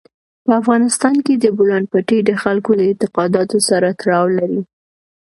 په افغانستان کې د بولان پټي د خلکو د اعتقاداتو سره تړاو لري.